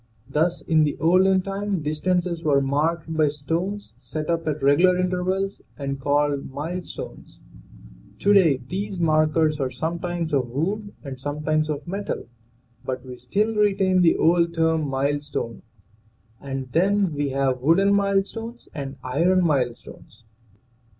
Thus in the olden time distances were marked by stones set up at regular intervals and called milestones; to day these markers are sometimes of wood and sometimes of metal, but we still retain the old term, milestone, and then we have wooden milestones and iron milestones.